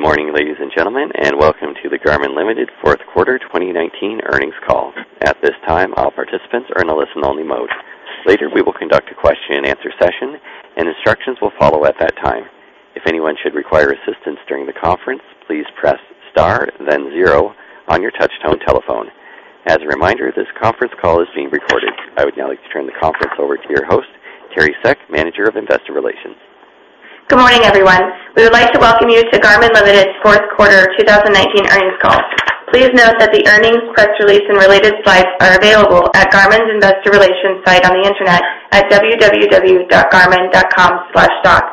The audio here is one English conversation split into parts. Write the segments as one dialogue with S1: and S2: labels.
S1: Good morning, ladies and gentlemen, and Welcome to the Garmin Ltd. fourth quarter 2019 earnings call. At this time, all participants are in a listen-only mode. Later, we will conduct a question and answer session, and instructions will follow at that time. If anyone should require assistance during the conference, please press star then zero on your touchtone telephone. As a reminder, this conference call is being recorded. I would now like to turn the conference over to your host, Teri Seck, Manager of Investor Relations.
S2: Good morning, everyone. We would like to Welcome you to Garmin Ltd.'s fourth quarter 2019 earnings call. Please note that the earnings press release and related slides are available at Garmin's investor relations site on the internet at www.garmin.com/stock.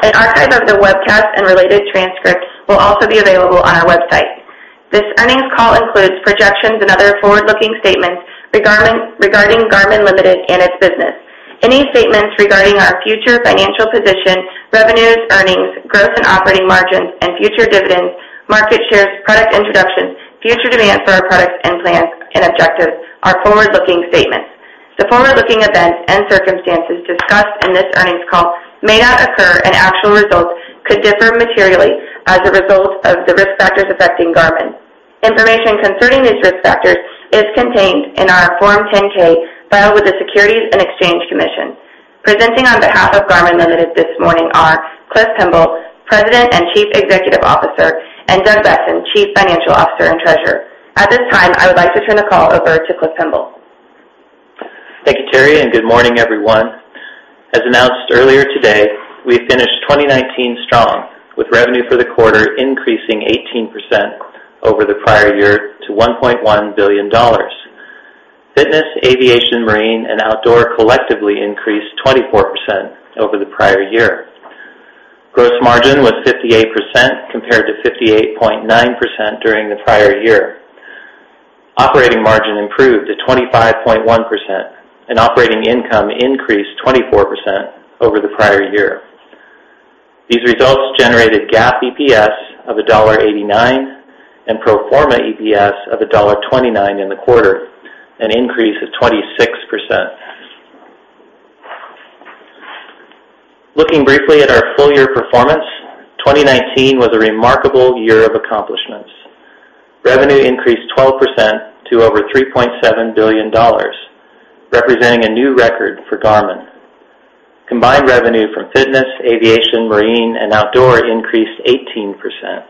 S2: An archive of the webcast and related transcript will also be available on our website. This earnings call includes projections and other forward-looking statements regarding Garmin Ltd. and its business. Any statements regarding our future financial position, revenues, earnings, growth and operating margins and future dividends, market shares, product introductions, future demand for our products, and plans and objectives are forward-looking statements. The forward-looking events and circumstances discussed in this earnings call may not occur, and actual results could differ materially as a result of the risk factors affecting Garmin. Information concerning these risk factors is contained in our Form 10-K filed with the Securities and Exchange Commission. Presenting on behalf of Garmin Ltd. this morning are Cliff Pemble, President and Chief Executive Officer, and Doug Boessen, Chief Financial Officer and Treasurer. At this time, I would like to turn the call over to Cliff Pemble.
S3: Thank you, Teri. Good morning, everyone. As announced earlier today, we have finished 2019 strong, with revenue for the quarter increasing 18% over the prior year to $1.1 billion. Fitness, aviation, marine, and outdoor collectively increased 24% over the prior year. Gross margin was 58% compared to 58.9% during the prior year. Operating margin improved to 25.1%, and operating income increased 24% over the prior year. These results generated GAAP EPS of $1.89 and pro forma EPS of $1.29 in the quarter, an increase of 26%. Looking briefly at our full-year performance, 2019 was a remarkable year of accomplishments. Revenue increased 12% to over $3.7 billion, representing a new record for Garmin. Combined revenue from fitness, aviation, marine, and outdoor increased 18%.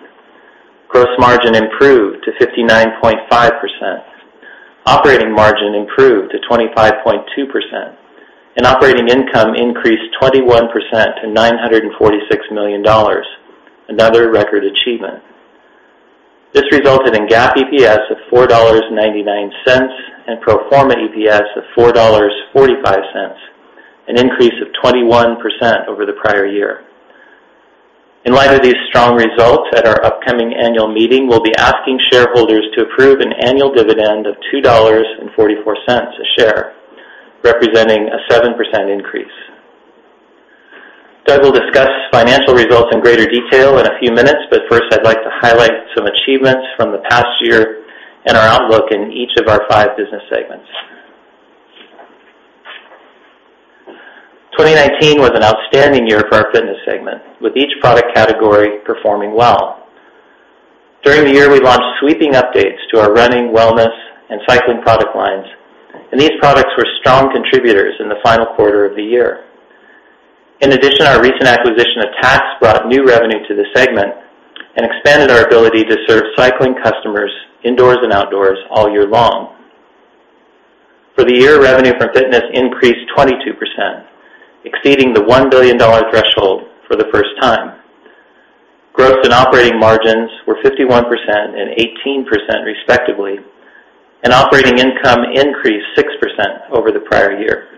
S3: Gross margin improved to 59.5%. Operating margin improved to 25.2%, and operating income increased 21% to $946 million, another record achievement. This resulted in GAAP EPS of $4.99 and pro forma EPS of $4.45, an increase of 21% over the prior year. In light of these strong results, at our upcoming annual meeting, we'll be asking shareholders to approve an annual dividend of $2.44 a share, representing a 7% increase. Doug will discuss financial results in greater detail in a few minutes, First, I'd like to highlight some achievements from the past year and our outlook in each of our five business segments. 2019 was an outstanding year for our fitness segment, with each product category performing well. During the year, we launched sweeping updates to our running, wellness, and cycling product lines, and these products were strong contributors in the final quarter of the year. In addition, our recent acquisition of Tacx brought new revenue to the segment and expanded our ability to serve cycling customers indoors and outdoors all year long. For the year, revenue from fitness increased 22%, exceeding the $1 billion threshold for the first time. Growth in operating margins were 51% and 18%, respectively, and operating income increased 6% over the prior year.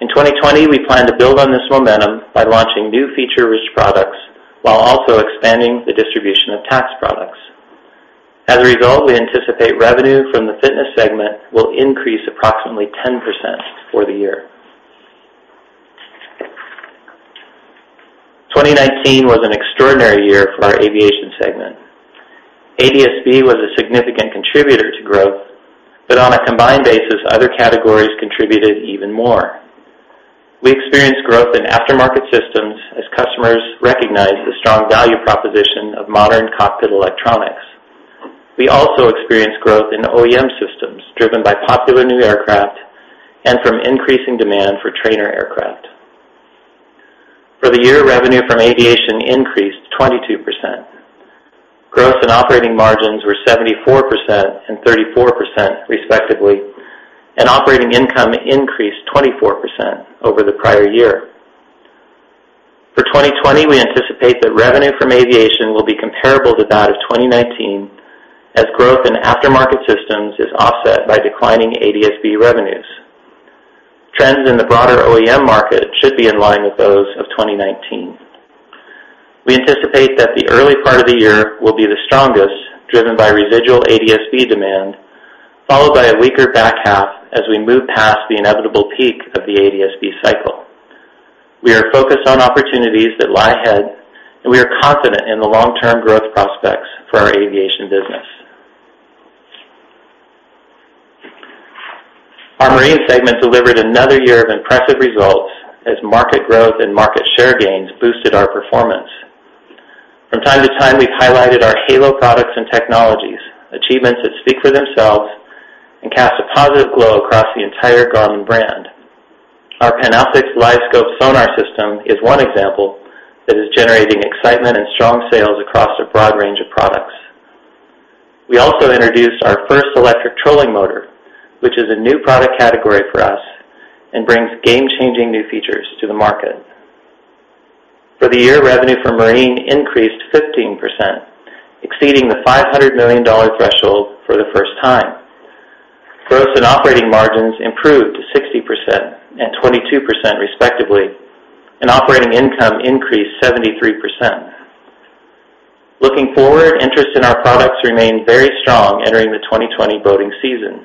S3: In 2020, we plan to build on this momentum by launching new feature-rich products while also expanding the distribution of Tacx products. As a result, we anticipate revenue from the fitness segment will increase approximately 10% for the year. 2019 was an extraordinary year for our aviation segment. ADS-B was a significant contributor to growth, but on a combined basis, other categories contributed even more. We experienced growth in aftermarket systems as customers recognized the strong value proposition of modern cockpit electronics. We also experienced growth in OEM systems driven by popular new aircraft and from increasing demand for trainer aircraft. For the year, revenue from aviation increased 22%. Growth in operating margins were 74% and 34%, respectively, and operating income increased 24% over the prior year. For 2020, we anticipate that revenue from aviation will be comparable to that of 2019, as growth in aftermarket systems is offset by declining ADS-B revenues. Trends in the broader OEM market should be in line with those of 2019. We anticipate that the early part of the year will be the strongest, driven by residual ADS-B demand, followed by a weaker back half as we move past the inevitable peak of the ADS-B cycle. We are focused on opportunities that lie ahead, and we are confident in the long-term growth prospects for our Marine segment. Marine segment delivered another year of impressive results as market growth and market share gains boosted our performance. From time to time, we've highlighted our halo products and technologies, achievements that speak for themselves and cast a positive glow across the entire Garmin brand. Our Panoptix LiveScope sonar system is one example that is generating excitement and strong sales across a broad range of products. We also introduced our first electric trolling motor, which is a new product category for us and brings game-changing new features to the market. For the year, revenue from Marine increased 15%, exceeding the $500 million threshold for the first time. Gross and operating margins improved to 60% and 22% respectively, and operating income increased 73%. Looking forward, interest in our products remain very strong entering the 2020 boating season.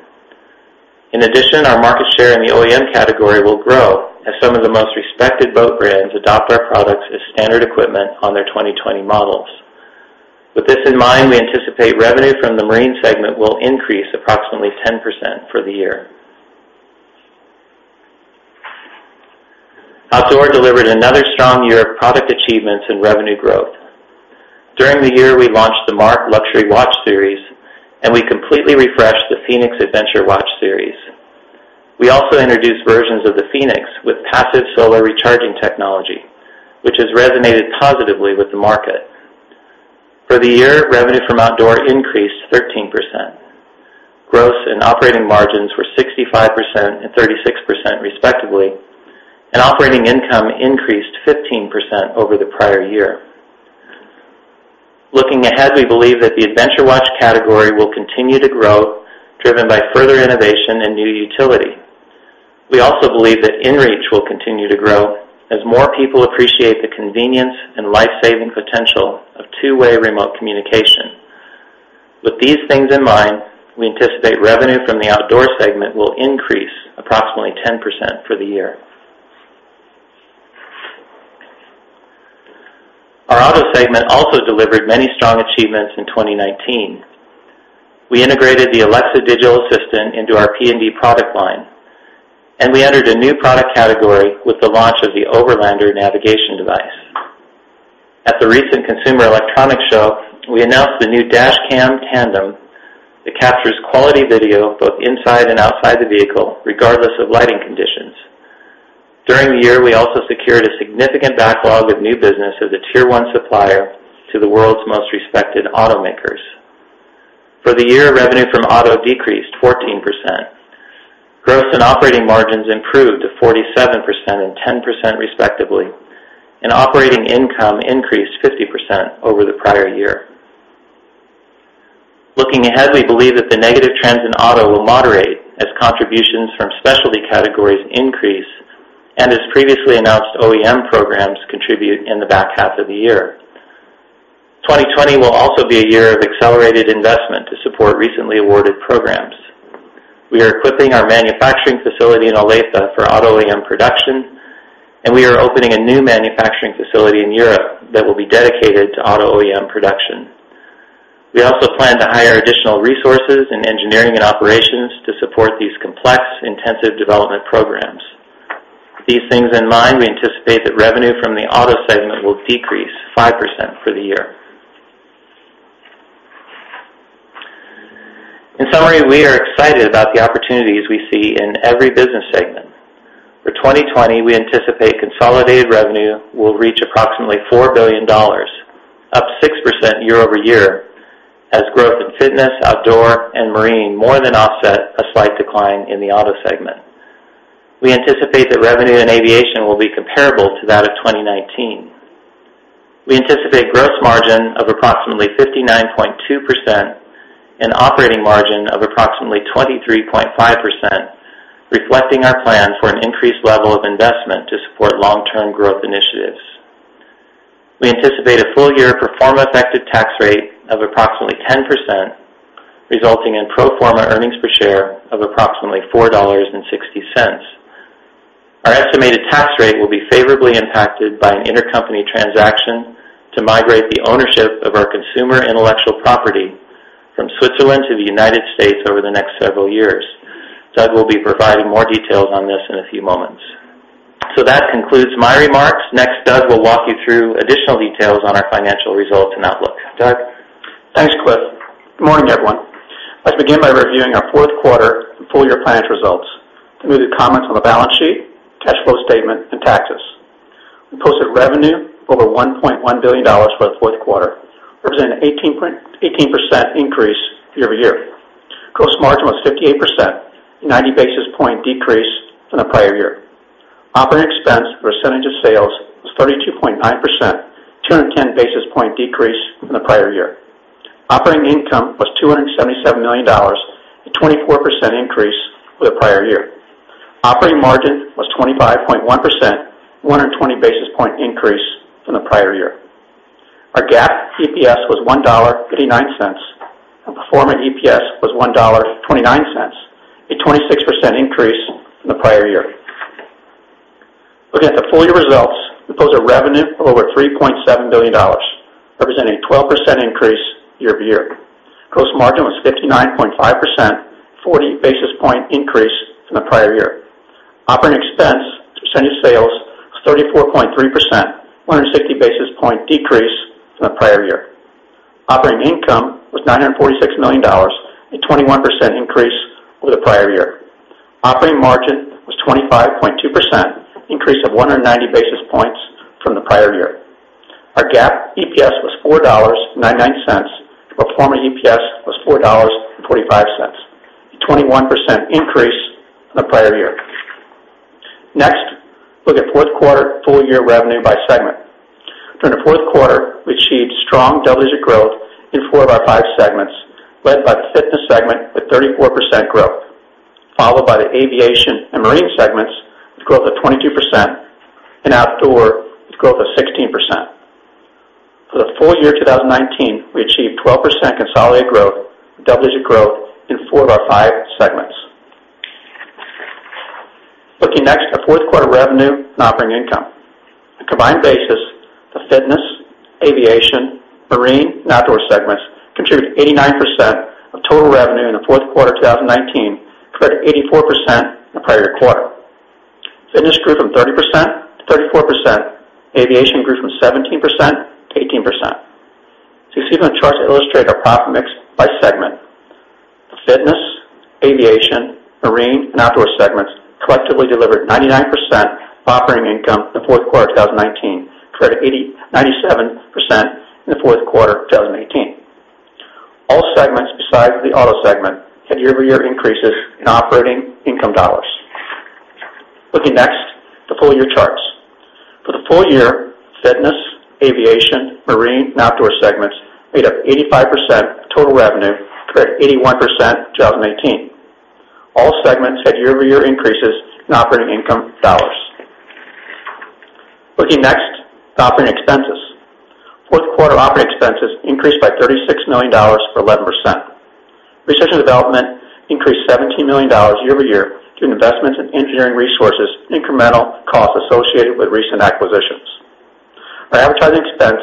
S3: In addition, our market share in the OEM category will grow as some of the most respected boat brands adopt our products as standard equipment on their 2020 models. With this in mind, we anticipate revenue from the Marine segment will increase approximately 10% for the year. Outdoor delivered another strong year of product achievements and revenue growth. During the year, we launched the MARQ luxury watch series. We completely refreshed the fēnix adventure watch series. We also introduced versions of the fēnix with passive solar recharging technology, which has resonated positively with the market. For the year, revenue from Outdoor increased 13%. Gross and operating margins were 65% and 36% respectively. Operating income increased 15% over the prior year. Looking ahead, we believe that the adventure watch category will continue to grow, driven by further innovation and new utility. We also believe that inReach will continue to grow as more people appreciate the convenience and life-saving potential of two-way remote communication. With these things in mind, we anticipate revenue from the Outdoor segment will increase approximately 10% for the year. Our Auto segment also delivered many strong achievements in 2019. We integrated the Alexa digital assistant into our PND product line, and we entered a new product category with the launch of the Overlander navigation device. At the recent Consumer Electronics Show, we announced the new Dash Cam Tandem that captures quality video both inside and outside the vehicle, regardless of lighting conditions. During the year, we also secured a significant backlog of new business as a tier one supplier to the world's most respected automakers. For the year, revenue from Auto decreased 14%. Gross and operating margins improved to 47% and 10% respectively, and operating income increased 50% over the prior year. Looking ahead, we believe that the negative trends in Auto will moderate as contributions from specialty categories increase and as previously announced OEM programs contribute in the back half of the year. 2020 will also be a year of accelerated investment to support recently awarded programs. We are equipping our manufacturing facility in Olathe for Auto OEM production, and we are opening a new manufacturing facility in Europe that will be dedicated to Auto OEM production. We also plan to hire additional resources in engineering and operations to support these complex, intensive development programs. With these things in mind, we anticipate that revenue from the Auto segment will decrease 5% for the year. In summary, we are excited about the opportunities we see in every business segment. For 2020, we anticipate consolidated revenue will reach approximately $4 billion, up 6% year-over-year, as growth in Fitness, Outdoor, and Marine more than offset a slight decline in the Auto segment. We anticipate that revenue in Aviation will be comparable to that of 2019. We anticipate gross margin of approximately 59.2% and operating margin of approximately 23.5%, reflecting our plan for an increased level of investment to support long-term growth initiatives. We anticipate a full-year pro forma effective tax rate of approximately 10%, resulting in pro forma earnings per share of approximately $4.60. Our estimated tax rate will be favorably impacted by an intercompany transaction to migrate the ownership of our consumer intellectual property from Switzerland to the United States over the next several years. Doug will be providing more details on this in a few moments. That concludes my remarks. Next, Doug will walk you through additional details on our financial results and outlook. Doug?
S4: Thanks, Cliff. Good morning, everyone. Let's begin by reviewing our fourth quarter and full-year financial results through the comments on the balance sheet, cash flow statement, and taxes. We posted revenue over $1.1 billion for the fourth quarter, representing 18% increase year-over-year. Gross margin was 58%, a 90-basis point decrease from the prior year. Operating expense percentage of sales was 32.9%, 210-basis point decrease from the prior year. Operating income was $277 million, a 24% increase for the prior year. Operating margin was 25.1%, 120-basis point increase from the prior year. Our GAAP EPS was $1.89, and pro forma EPS was $1.29, a 26% increase from the prior year. At the full year results, we posted revenue of over $3.7 billion, representing a 12% increase year-over-year. Gross margin was 59.5%, a 40 basis point increase from the prior year. Operating expense to percentage sales was 34.3%, a 160 basis point decrease from the prior year. Operating income was $946 million, a 21% increase over the prior year. Operating margin was 25.2%, an increase of 190 basis points from the prior year. Our GAAP EPS was $4.99. Pro forma EPS was $4.45, a 21% increase from the prior year. Look at fourth quarter full year revenue by segment. During the fourth quarter, we achieved strong double-digit growth in four of our five segments, led by the Fitness segment with 34% growth, followed by the Aviation and Marine segments with growth of 22%, and Outdoor with growth of 16%. For the full year 2019, we achieved 12% consolidated growth, with double-digit growth in four of our five segments. Looking next at the fourth quarter revenue and operating income. On a combined basis, the fitness, aviation, marine, and outdoor segments contributed 89% of total revenue in the fourth quarter of 2019, compared to 84% in the prior year quarter. Fitness grew from 30%-34%. Aviation grew from 17%-18%. You see on the charts illustrate our profit mix by segment. The fitness, aviation, marine, and outdoor segments collectively delivered 99% operating income in the fourth quarter of 2019, compared to 97% in the fourth quarter of 2018. All segments besides the auto segment had year-over-year increases in operating income dollars. Looking next at the full year charts. For the full year, fitness, aviation, marine, and outdoor segments made up 85% of total revenue, compared to 81% in 2018. All segments had year-over-year increases in operating income dollars. Looking next at operating expenses. Fourth quarter operating expenses increased by $36 million, or 11%. Research and development increased $17 million year-over-year due to investments in engineering resources and incremental costs associated with recent acquisitions. Our advertising expense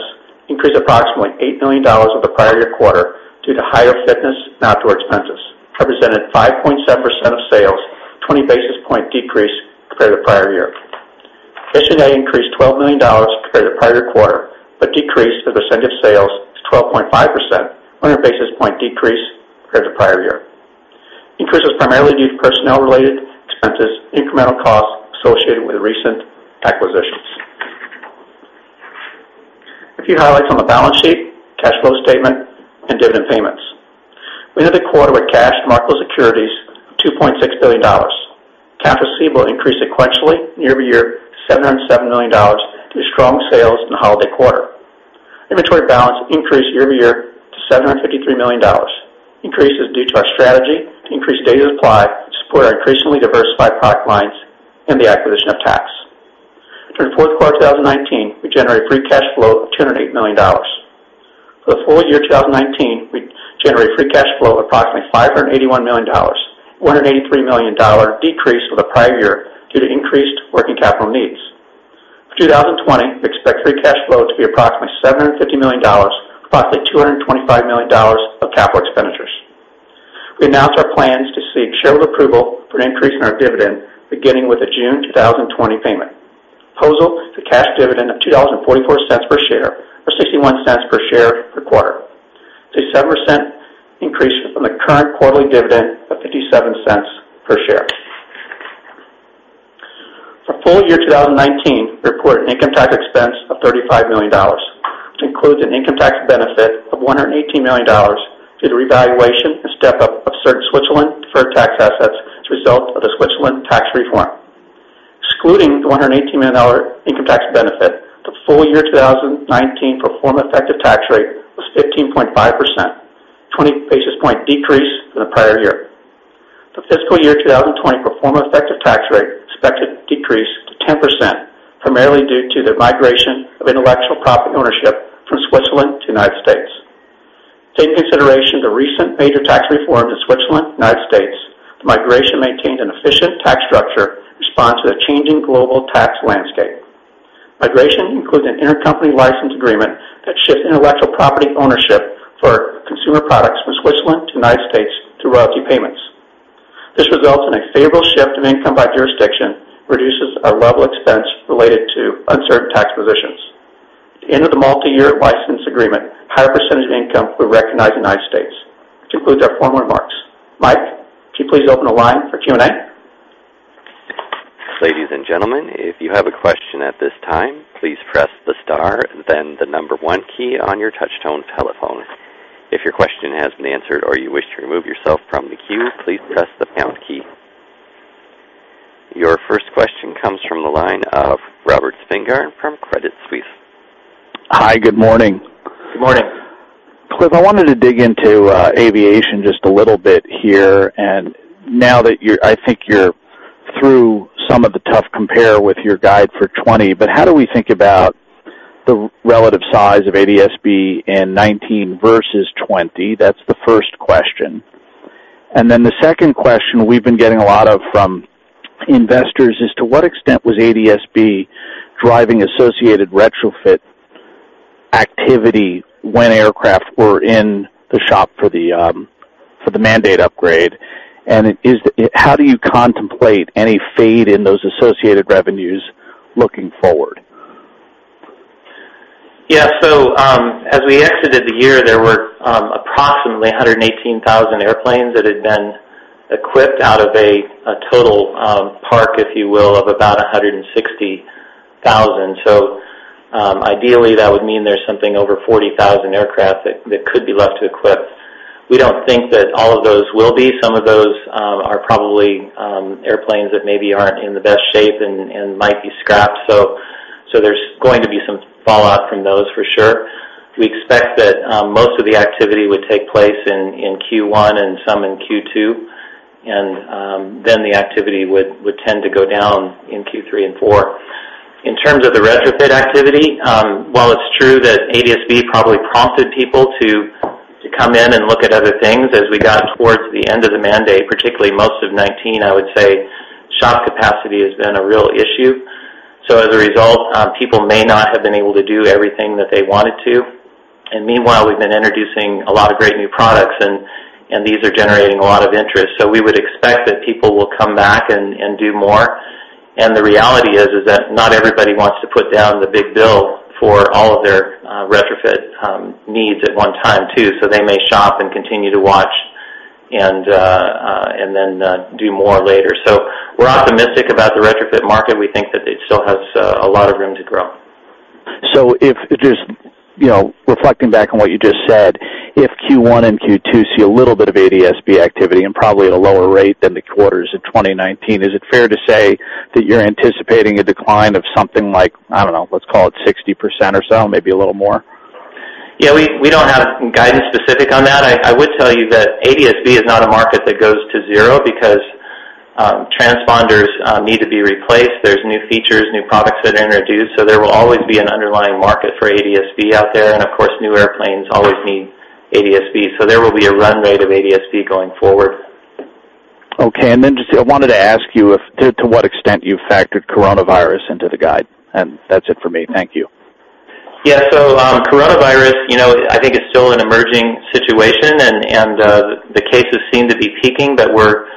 S4: increased approximately $8 million over the prior year quarter due to higher fitness and outdoor expenses, represented 5.7% of sales, a 20 basis point decrease compared to the prior year. G&A increased $12 million compared to the prior year quarter, but decreased as a percent of sales to 12.5%, a 100 basis point decrease compared to the prior year. The increase was primarily due to personnel-related expenses and incremental costs associated with recent acquisitions. A few highlights on the balance sheet, cash flow statement, and dividend payments. We ended the quarter with cash and marketable securities of $2.6 billion. Accounts receivable increased sequentially year-over-year to $707 million due to strong sales in the holiday quarter. Inventory balance increased year-over-year to $753 million. The increase is due to our strategy to increase days of supply to support our increasingly diversified product lines and the acquisition of Tacx. During the fourth quarter of 2019, we generated free cash flow of $208 million. For the full year 2019, we generated free cash flow of approximately $581 million, a $483 million decrease over the prior year due to increased working capital needs. For 2020, we expect free cash flow to be approximately $750 million, with approximately $225 million of capital expenditures. We announced our plans to seek shareholder approval for an increase in our dividend beginning with the June 2020 payment. Proposal is a cash dividend of $2.44 per share, or $0.61 per share per quarter. It's a 7% increase from the current quarterly dividend of $0.57 per share. For full year 2019, we reported an income tax expense of $35 million, which includes an income tax benefit of $118 million due to revaluation and step-up of certain Switzerland deferred tax assets as a result of the Switzerland tax reform. Excluding the $118 million income tax benefit, the full year 2019 pro forma effective tax rate was 15.5%, a 20 basis point decrease from the prior year. For fiscal year 2020, pro forma effective tax rate is expected to decrease to 10%, primarily due to the migration of intellectual property ownership from Switzerland to the United States. Taking into consideration the recent major tax reforms in Switzerland and the United States, the migration maintains an efficient tax structure in response to the changing global tax landscape. Migration includes an intercompany license agreement that shifts intellectual property ownership for consumer products from Switzerland to the United States through royalty payments. This results in a favorable shift of income by jurisdiction and reduces our level of expense related to uncertain tax positions. At the end of the multi-year license agreement, a higher percentage of income will be recognized in the U.S. Which concludes our formal remarks. Mike, could you please open the line for Q&A?
S1: Ladies and gentlemen, if you have a question at this time, please press the star and then the number one key on your touchtone telephone. If your question has been answered or you wish to remove yourself from the queue, please press the pound key. Your first question comes from the line of Robert Spingarn from Credit Suisse.
S5: Hi, good morning.
S3: Good morning.
S5: Cliff, I wanted to dig into aviation just a little bit here. Now that I think you're through some of the tough compare with your guide for 2020, how do we think about the relative size of ADS-B in 2019 versus 2020? That's the first question. The second question we've been getting a lot of from investors is, to what extent was ADS-B driving associated retrofit activity when aircraft were in the shop for the mandate upgrade, and how do you contemplate any fade in those associated revenues looking forward?
S3: Yeah. As we exited the year, there were approximately 118,000 airplanes that had been equipped out of a total park, if you will, of about 160,000. Ideally, that would mean there's something over 40,000 aircraft that could be left to equip. We don't think that all of those will be. Some of those are probably airplanes that maybe aren't in the best shape and might be scrapped. There's going to be some fallout from those for sure. We expect that most of the activity would take place in Q1 and some in Q2, the activity would tend to go down in Q3 and Q4. In terms of the retrofit activity, while it's true that ADS-B probably prompted people to come in and look at other things, as we got towards the end of the mandate, particularly most of 2019, I would say, shop capacity has been a real issue. As a result, people may not have been able to do everything that they wanted to. Meanwhile, we've been introducing a lot of great new products, and these are generating a lot of interest. We would expect that people will come back and do more. The reality is that not everybody wants to put down the big bill for all of their retrofit needs at one time, too. They may shop and continue to watch and then do more later. We're optimistic about the retrofit market. We think that it still has a lot of room to grow.
S5: Reflecting back on what you just said, if Q1 and Q2 see a little bit of ADS-B activity and probably at a lower rate than the quarters of 2019, is it fair to say that you're anticipating a decline of something like, I don't know, let's call it 60% or so, maybe a little more?
S3: We don't have guidance specific on that. I would tell you that ADS-B is not a market that goes to zero, because transponders need to be replaced. There's new features, new products that are introduced, so there will always be an underlying market for ADS-B out there, and of course, new airplanes always need ADS-B. There will be a run rate of ADS-B going forward.
S5: Okay. Just, I wanted to ask you to what extent you factored coronavirus into the guide. That's it for me. Thank you.
S3: Yeah. coronavirus, I think is still an emerging situation, and the cases seem to be peaking, but we're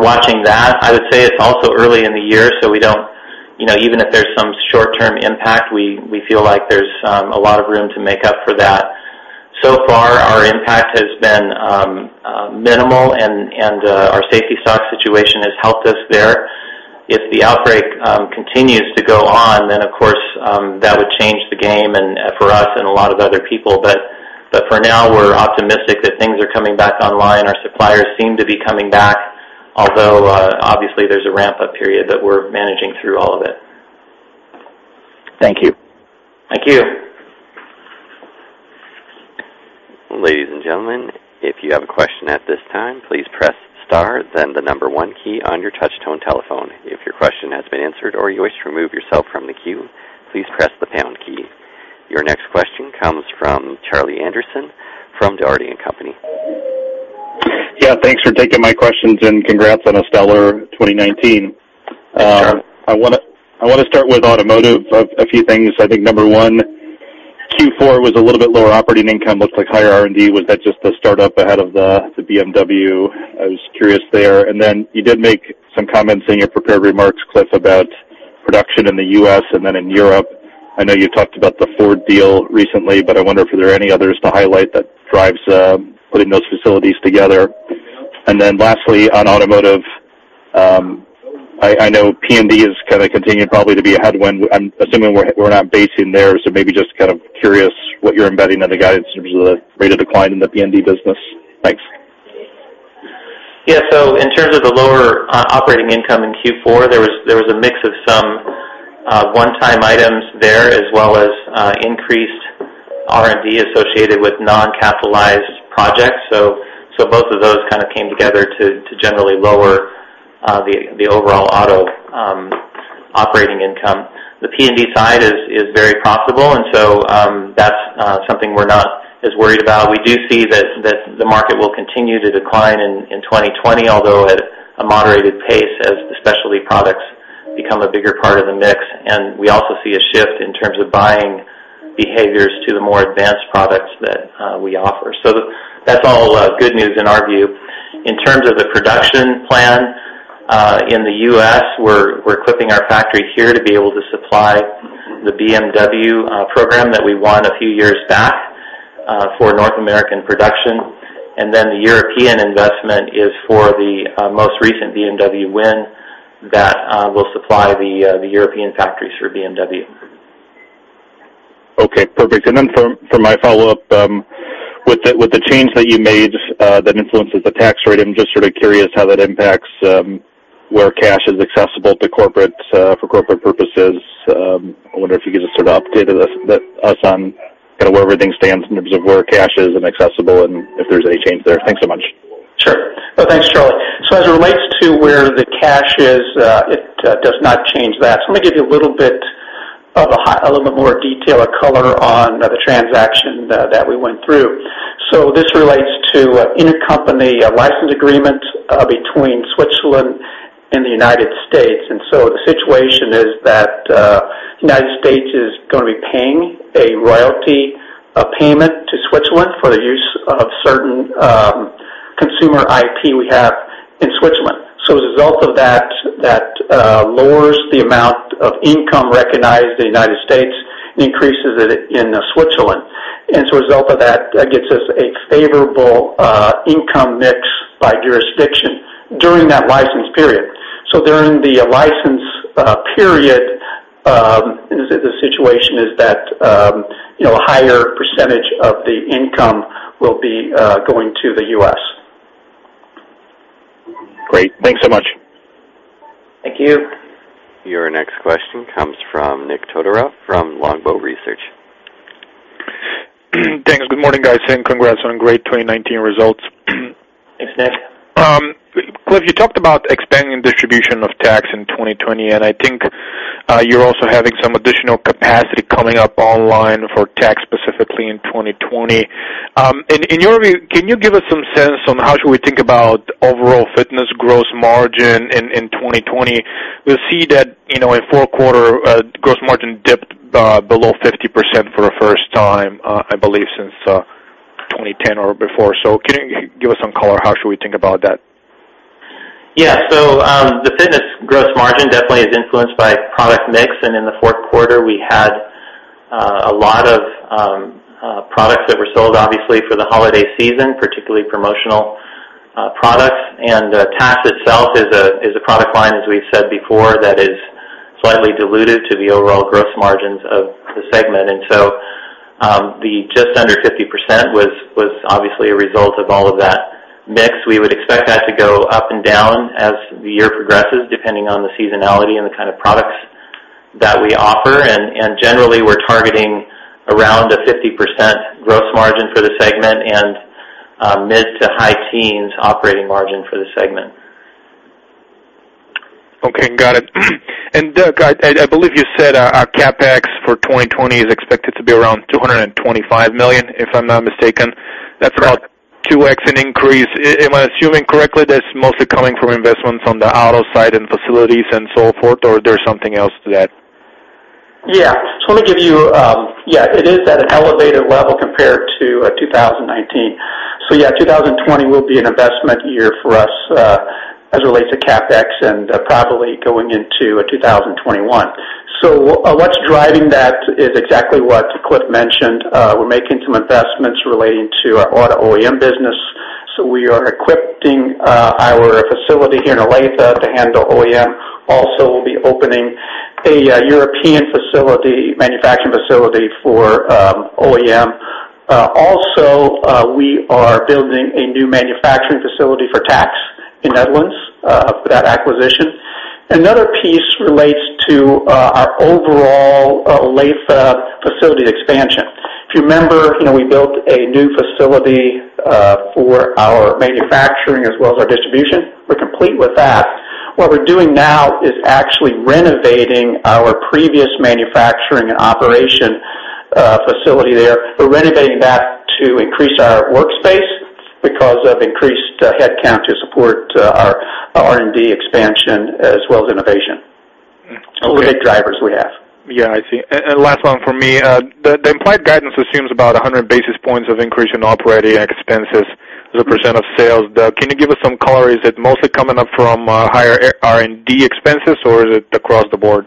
S3: watching that. I would say it's also early in the year, so even if there's some short-term impact, we feel like there's a lot of room to make up for that. So far, our impact has been minimal, and our safety stock situation has helped us there. If the outbreak continues to go on, then, of course, that would change the game for us and a lot of other people. For now, we're optimistic that things are coming back online. Our suppliers seem to be coming back, although obviously there's a ramp-up period, but we're managing through all of it.
S5: Thank you.
S3: Thank you.
S1: Ladies and gentlemen, if you have a question at this time, please press star then the number one key on your touch tone telephone. If your question has been answered or you wish to remove yourself from the queue, please press the pound key. Your next question comes from Charlie Anderson from Dougherty & Company.
S6: Yeah. Thanks for taking my questions and congrats on a stellar 2019.
S3: Sure.
S6: I want to start with automotive, a few things. I think number one, Q4 was a little bit lower operating income, looks like higher R&D. Was that just the startup ahead of the BMW? I was curious there. Then you did make some comments in your prepared remarks, Cliff, about production in the U.S. and then in Europe. I know you talked about the Ford deal recently, but I wonder if there are any others to highlight that drives putting those facilities together. Then lastly, on automotive, I know PND has kind of continued probably to be a headwind. I'm assuming we're not basing there, so maybe just kind of curious what you're embedding in the guidance in terms of the rate of decline in the PND business. Thanks.
S3: In terms of the lower operating income in Q4, there was a mix of some one-time items there, as well as increased R&D associated with non-capitalized projects. Both of those kind of came together to generally lower the overall auto operating income. The PND side is very profitable, that's something we're not as worried about. We do see that the market will continue to decline in 2020, although at a moderated pace, as the specialty products become a bigger part of the mix. We also see a shift in terms of buying behaviors to the more advanced products that we offer. That's all good news in our view. In terms of the production plan, in the U.S., we're equipping our factory here to be able to supply the BMW program that we won a few years back, for North American production. The European investment is for the most recent BMW win that will supply the European factories for BMW.
S6: Okay, perfect. Then for my follow-up, with the change that you made that influences the tax rate, I'm just sort of curious how that impacts where cash is accessible for corporate purposes. I wonder if you could just sort of update us on kind of where everything stands in terms of where cash is and accessible and if there's any change there. Thanks so much.
S4: Sure. Well, thanks, Charlie. As it relates to where the cash is, it does not change that. A little bit more detail or color on the transaction that we went through. This relates to intercompany license agreement between Switzerland and the United States. The situation is that United States is going to be paying a royalty payment to Switzerland for the use of certain consumer IP we have in Switzerland. As a result of that lowers the amount of income recognized in the United States, and increases it in Switzerland. As a result of that gets us a favorable income mix by jurisdiction during that license period. During the license period, the situation is that a higher percentage of the income will be going to the U.S.
S6: Great. Thanks so much.
S3: Thank you.
S1: Your next question comes from Nikolay Todorov, from Longbow Research.
S7: Thanks. Good morning, guys. Congrats on great 2019 results.
S3: Thanks, Nikolay.
S7: Cliff, you talked about expanding distribution of Tacx in 2020, and I think you're also having some additional capacity coming up online for Tacx, specifically in 2020. In your view, can you give us some sense on how should we think about overall fitness gross margin in 2020? We see that in fourth quarter, gross margin dipped below 50% for the first time, I believe since 2010 or before. Can you give us some color? How should we think about that?
S3: The fitness gross margin definitely is influenced by product mix, and in the fourth quarter, we had a lot of products that were sold, obviously, for the holiday season, particularly promotional products. Tacx itself is a product line, as we've said before, that is slightly diluted to the overall gross margins of the segment. The just under 50% was obviously a result of all of that mix. We would expect that to go up and down as the year progresses, depending on the seasonality and the kind of products that we offer. Generally, we're targeting around a 50% gross margin for the segment and mid to high teens operating margin for the segment.
S7: Okay. Got it. Doug, I believe you said our CapEx for 2020 is expected to be around $225 million, if I'm not mistaken.
S4: Correct
S7: 2x in increase, am I assuming correctly that's mostly coming from investments on the auto side and facilities and so forth, or there's something else to that?
S4: Yeah. Let me give you, it is at an elevated level compared to 2019. Yeah, 2020 will be an investment year for us as it relates to CapEx and probably going into 2021. What's driving that is exactly what Cliff mentioned. We're making some investments relating to our auto OEM business. We are equipping our facility here in Olathe to handle OEM. Also, we'll be opening a European manufacturing facility for OEM. Also, we are building a new manufacturing facility for Tacx in Netherlands for that acquisition. Another piece relates to our overall Olathe facility expansion. If you remember, we built a new facility for our manufacturing as well as our distribution. We're complete with that. What we're doing now is actually renovating our previous manufacturing and operation facility there. We're renovating that to increase our workspace because of increased headcount to support our R&D expansion as well as innovation. We hit drivers we have.
S7: Yeah, I see. Last one for me. The implied guidance assumes about 100 basis points of increase in operating expenses as a percent of sales. Doug, can you give us some color? Is it mostly coming up from higher R&D expenses or is it across the board?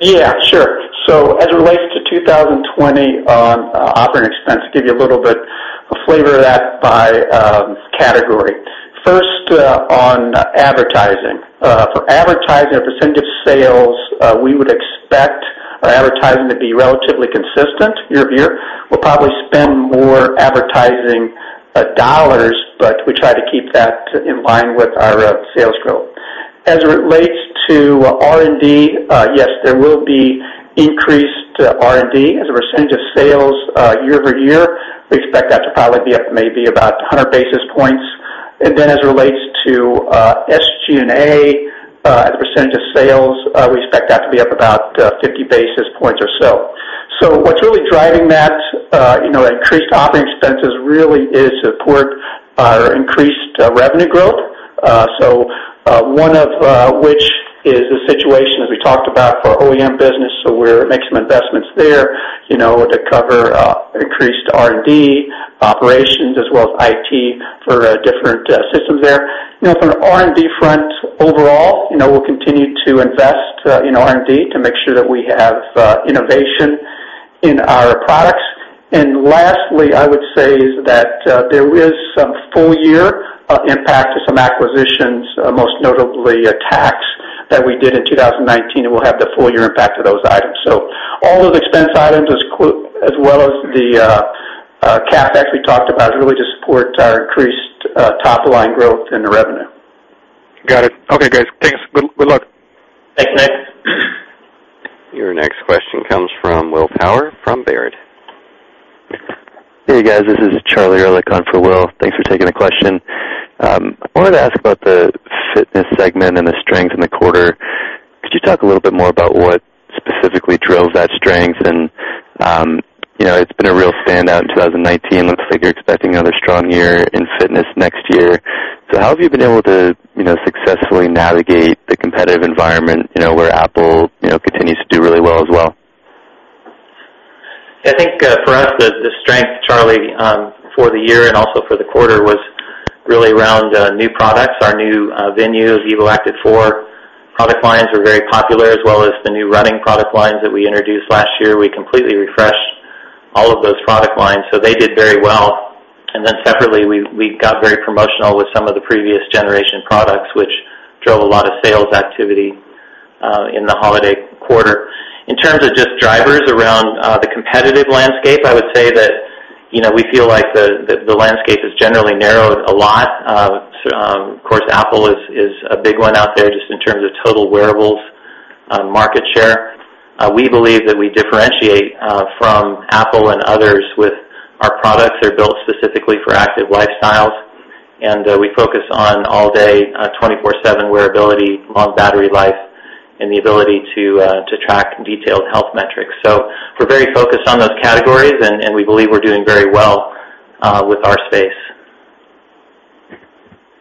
S4: Yeah, sure. As it relates to 2020 on operating expense, give you a little bit of flavor of that by category. First on advertising. For advertising as a percentage of sales, we would expect our advertising to be relatively consistent year-over-year. We'll probably spend more advertising dollars, but we try to keep that in line with our sales growth. As it relates to R&D, yes, there will be increased R&D as a percentage of sales year-over-year. We expect that to probably be up maybe about 100 basis points. As it relates to SG&A as a percentage of sales, we expect that to be up about 50 basis points or so. What's really driving that increased operating expenses really is to support our increased revenue growth. One of which is the situation as we talked about for OEM business, we're making some investments there to cover increased R&D operations as well as IT for different systems there. From an R&D front overall, we'll continue to invest in R&D to make sure that we have innovation in our products. Lastly, I would say that there is some full year impact to some acquisitions, most notably Tacx that we did in 2019, and we'll have the full year impact of those items. All those expense items, as well as the CapEx we talked about, is really to support our increased top-line growth and the revenue.
S7: Got it. Okay, guys. Thanks. Good luck.
S3: Thanks, Nikolay.
S1: Your next question comes from William Power, from Baird.
S8: Hey guys, this is Charlie Erlikh on for Will. Thanks for taking the question. I wanted to ask about the fitness segment and the strength in the quarter. Could you talk a little bit more about what specifically drove that strength? It's been a real standout in 2019. Looks like you're expecting another strong year in fitness next year. How have you been able to successfully navigate the competitive environment, where Apple continues to do really well as well?
S3: I think for us, the strength, Charlie, for the year and also for the quarter, was really around new products. Our new Venu, vívoactive four product lines were very popular, as well as the new running product lines that we introduced last year. We completely refreshed all of those product lines, so they did very well. Separately, we got very promotional with some of the previous generation products, which drove a lot of sales activity in the holiday quarter. In terms of just drivers around the competitive landscape, I would say that we feel like the landscape has generally narrowed a lot. Of course, Apple is a big one out there, just in terms of total wearables market share. We believe that we differentiate from Apple and others with our products. They're built specifically for active lifestyles, and we focus on all-day, 24/7 wearability, long battery life, and the ability to track detailed health metrics. We're very focused on those categories, and we believe we're doing very well with our space.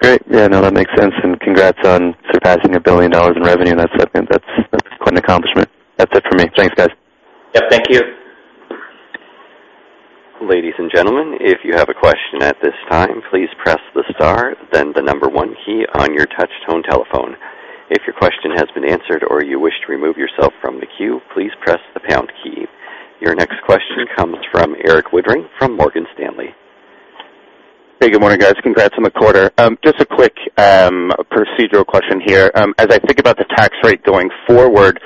S8: Great. Yeah, no, that makes sense. Congrats on surpassing $1 billion in revenue and that segment. That's quite an accomplishment. That's it for me. Thanks, guys.
S3: Yeah, thank you.
S1: Ladies and gentlemen, if you have a question at this time, please press the star, then the number one key on your touch tone telephone. If your question has been answered or you wish to remove yourself from the queue, please press the pound key. Your next question comes from Erik Woodring from Morgan Stanley.
S9: Hey, good morning, guys. Congrats on the quarter. Just a quick procedural question here. As I think about the Tacx rate going forward,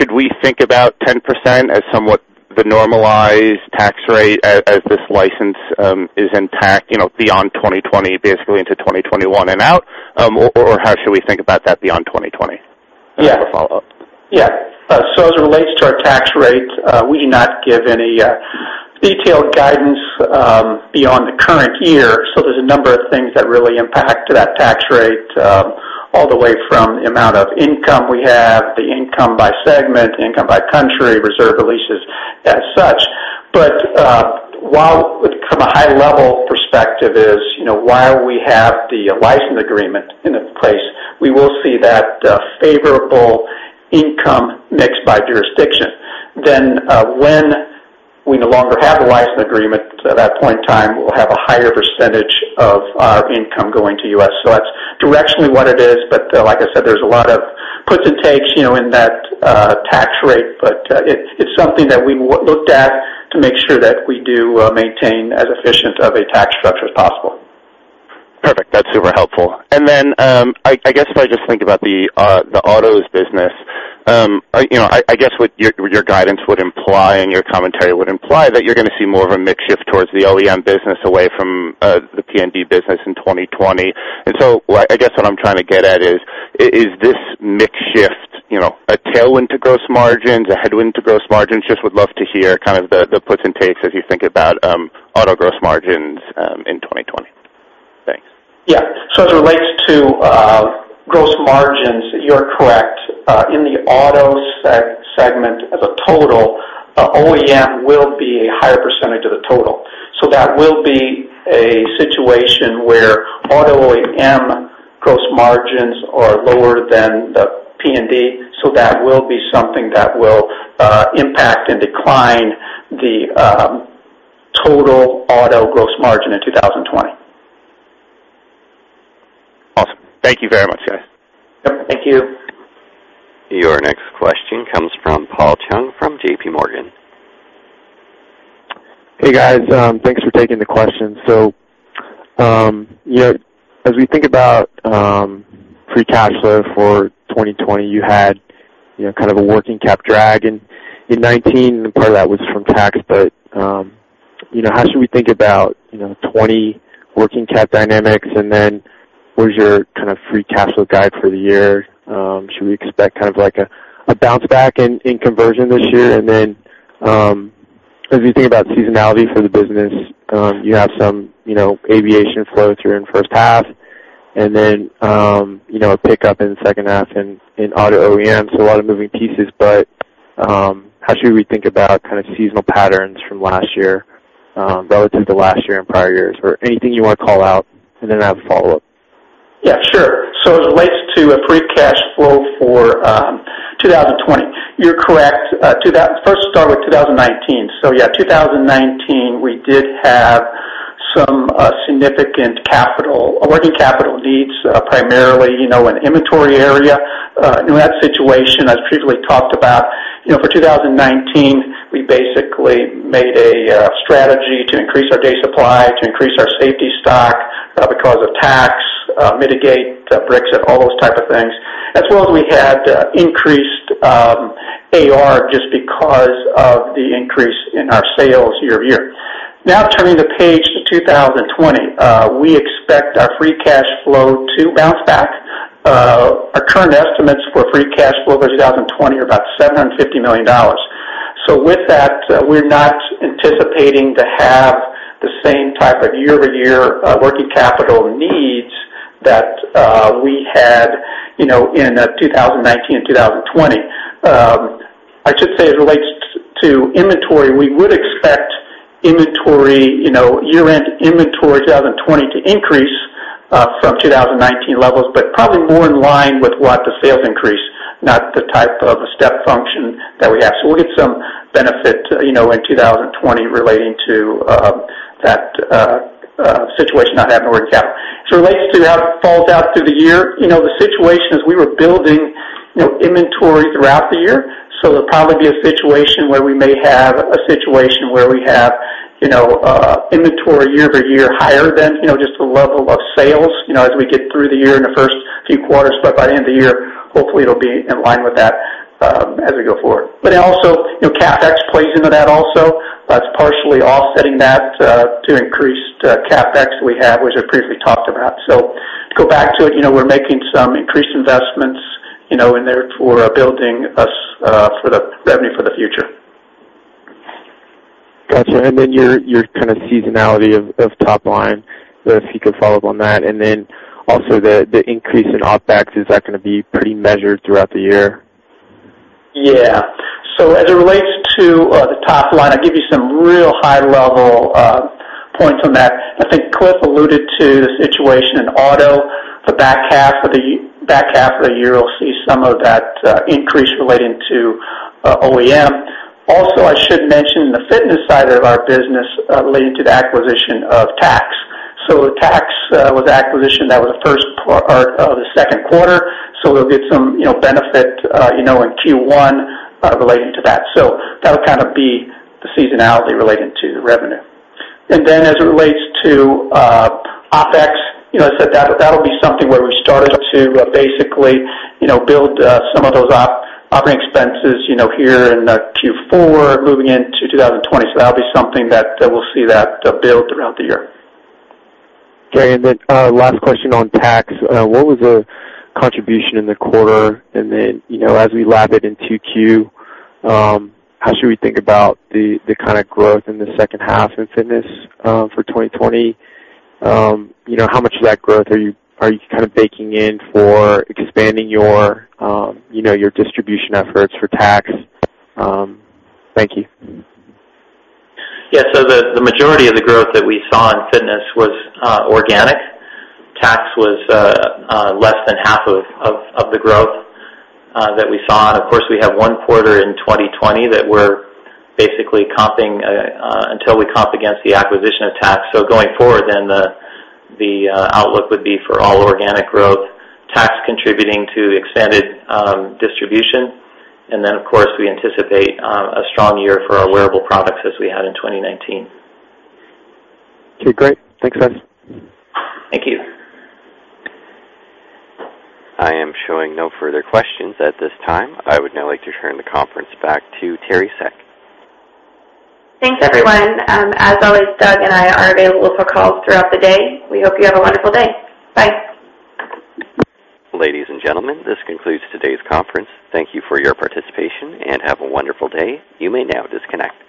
S9: should we think about 10% as somewhat the normalized Tacx rate as this license is intact beyond 2020, basically into 2021 and out? How should we think about that beyond 2020?
S3: Yeah.
S9: As a follow-up.
S3: Yeah. As it relates to our tax rate, we do not give any detailed guidance beyond the current year. There's a number of things that really impact that tax rate, all the way from the amount of income we have, the income by segment, income by country, reserve releases as such. From a high-level perspective is, while we have the license agreement in place, we will see that favorable income mix by jurisdiction. When we no longer have the license agreement, at that point in time, we'll have a higher percentage of our income going to U.S. That's directionally what it is. Like I said, there's a lot of puts and takes in that tax rate. It's something that we looked at to make sure that we do maintain as efficient of a tax structure as possible.
S9: Perfect. That's super helpful. Then, I guess if I just think about the autos business, I guess what your guidance would imply, and your commentary would imply that you're going to see more of a mix shift towards the OEM business away from the PND business in 2020. So I guess what I'm trying to get at is this mix shift a tailwind to gross margins, a headwind to gross margins? Just would love to hear the puts and takes as you think about auto gross margins in 2020. Thanks.
S3: Yeah. As it relates to gross margins, you're correct. In the auto segment as a total, OEM will be a higher percentage of the total. That will be a situation where auto OEM gross margins are lower than the PND, that will be something that will impact and decline the total auto gross margin in 2020.
S9: Awesome. Thank you very much, guys.
S3: Yep, thank you.
S1: Your next question comes from Paul Chung from JPMorgan.
S10: Hey, guys. Thanks for taking the question. As we think about free cash flow for 2020, you had kind of a working cap drag in 2019, and part of that was from Tacx. How should we think about 2020 working cap dynamics, what is your free cash flow guide for the year? Should we expect a bounce back in conversion this year? As we think about seasonality for the business, you have some aviation flow through in first half, a pickup in the second half in auto OEM. A lot of moving pieces. How should we think about kind of seasonal patterns from last year relative to last year and prior years? Anything you want to call out, I have a follow-up.
S4: Yeah, sure. As it relates to free cash flow for 2020, you're correct. First, start with 2019. Yeah, 2019, we did have some significant working capital needs, primarily in the inventory area. In that situation, as previously talked about, for 2019, we basically made a strategy to increase our day supply, to increase our safety stock because of Tacx, mitigate Brexit, all those type of things. As well as we had increased AR just because of the increase in our sales year-over-year. Now turning the page to 2020, we expect our free cash flow to bounce back Our current estimates for free cash flow for 2020 are about $750 million. With that, we're not anticipating to have the same type of year-over-year working capital needs that we had in 2019 and 2020. I should say, as it relates to inventory, we would expect year-end inventory 2020 to increase from 2019 levels, but probably more in line with what the sales increase, not the type of a step function that we have. We'll get some benefit in 2020 relating to that situation on that working capital. As it relates to how it falls out through the year, the situation is we were building inventory throughout the year, so there'll probably be a situation where we may have inventory year-over-year higher than just the level of sales as we get through the year in the first few quarters. By the end of the year, hopefully it'll be in line with that as we go forward. Also, CapEx plays into that also. That's partially offsetting that to increased CapEx we have, which I previously talked about. To go back to it, we're making some increased investments in there for building us revenue for the future.
S10: Got you. Your kind of seasonality of top line, if you could follow up on that. Also the increase in OpEx, is that going to be pretty measured throughout the year?
S4: Yeah. As it relates to the top line, I'll give you some real high-level points on that. I think Cliff alluded to the situation in auto. The back half of the year, you'll see some of that increase relating to OEM. Also, I should mention in the fitness side of our business relating to the acquisition of Tacx. Tacx was an acquisition that was the first part of the second quarter. We'll get some benefit in Q1 relating to that. That would kind of be the seasonality relating to the revenue. As it relates to OpEx, that'll be something where we started to basically build some of those operating expenses here in Q4 moving into 2020. That'll be something that we'll see that build throughout the year.
S10: Great. Last question on Tacx. What was the contribution in the quarter? As we lap it into 2Q, how should we think about the kind of growth in the second half in fitness for 2020? How much of that growth are you kind of baking in for expanding your distribution efforts for Tacx? Thank you.
S3: The majority of the growth that we saw in fitness was organic. Tacx was less than half of the growth that we saw. Of course, we have one quarter in 2020 that we're basically comping until we comp against the acquisition of Tacx. Going forward, the outlook would be for all organic growth. Tacx contributing to expanded distribution. Of course, we anticipate a strong year for our wearable products as we had in 2019.
S10: Okay, great. Thanks, guys.
S3: Thank you.
S1: I am showing no further questions at this time. I would now like to turn the conference back to Teri Seck.
S2: Thanks, everyone. As always, Doug and I are available for calls throughout the day. We hope you have a wonderful day. Bye.
S1: Ladies and gentlemen, this concludes today's conference. Thank you for your participation, and have a wonderful day. You may now disconnect.